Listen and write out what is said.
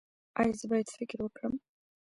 ایا زه باید فکر وکړم؟